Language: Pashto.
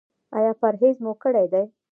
ایا پرهیز مو کړی دی؟